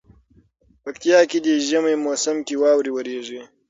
پکتيا کي دي ژمي موسم کي واوري وريږي